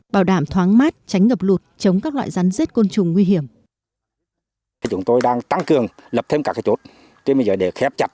bảo đảm thoáng mát tránh ngập lụt chống các loại rắn rết côn trùng nguy hiểm